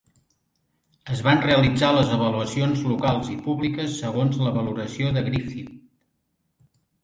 Es van realitzar les avaluacions locals i públiques segons la valoració de Griffith.